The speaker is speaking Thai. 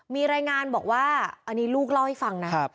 มีรายงานบอกว่าอันนี้ลูกเล่าให้ฟังนะ